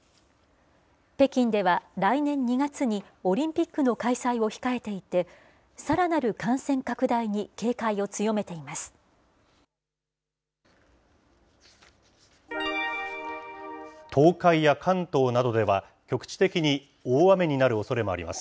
北京では来年２月にオリンピックの開催を控えていて、さらなる感染拡大に警戒を強めています。